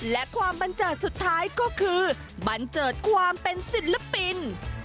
และความบันเจิดสุดท้ายก็คือบันเจิดความเป็นศิลปิน